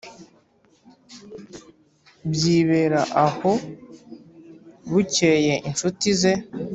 byibera aho. bukeye inshuti ze,